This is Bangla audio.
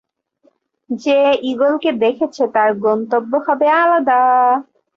যে ঈগলকে দেখেছে, তার গন্তব্য হবে আলাদা।